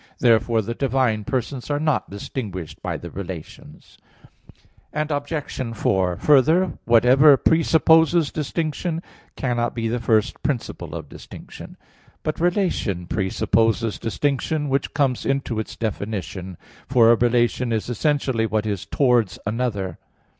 Therefore the divine persons are not distinguished by the relations. Obj. 4: Further, whatever presupposes distinction cannot be the first principle of distinction. But relation presupposes distinction, which comes into its definition; for a relation is essentially what is towards another.